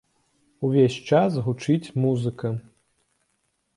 Увесь час гучыць музыка.